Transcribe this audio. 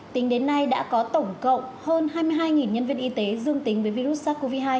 tính đến nay đã có tổng cộng hơn hai mươi hai nhân viên y tế dương tính với virus sars cov hai